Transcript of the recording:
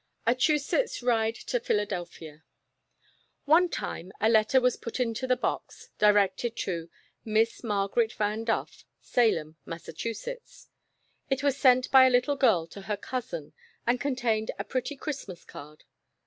"ACHUSETTS'S RIDE TO PHILA DELPHIA. 1 J ONE time a letter was put into the box, directed to — Miss Margaret Van Duff, Salem, Massachusetts. It was sent by a little girl to her cousin, and contained a pretty Christmas card.